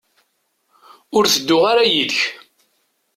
Ur tedduɣ ara yid-k.